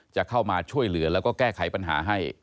จะเข้ามาช่วยเหลือแล้วก็แก้ไขปัญหาให้